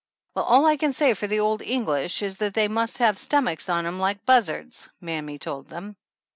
"Well, all I can say for the old English is that they must have stomachs on 'em like buzzards" mammy told them.